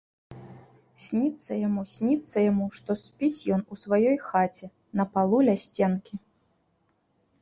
Сніцца яму, сніцца яму, што спіць ён у сваёй хаце, на палу ля сценкі.